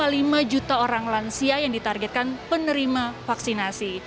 ada dua puluh satu lima juta orang lansia yang ditargetkan penerima vaksinasi